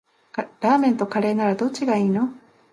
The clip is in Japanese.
ラーメンとカレーならどっちがいいの？